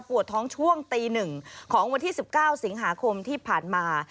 ปวดท้องช่วงตี๑ของวันที่๑๙สิงหาคมที่ผ่านมา